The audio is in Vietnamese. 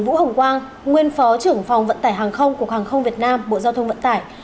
vũ hồng quang nguyên phó trưởng phòng vận tải hàng không của hàng không việt nam bộ giao thông vận tải